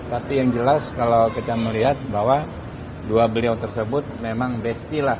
tapi yang jelas kalau kita melihat bahwa dua beliau tersebut memang besti lah